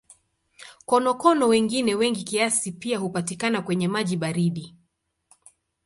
Konokono wengine wengi kiasi pia hupatikana kwenye maji baridi.